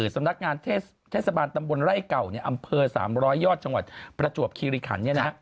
สำนักงานเทศบาลตำบลไร่เก่าอำเภอ๓๐๐ยอดจังหวัดประจวบคิริขัน